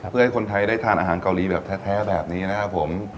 เพื่อให้คนไทยได้ทานอาหารเกาหลีแบบแท้แบบนี้นะครับผม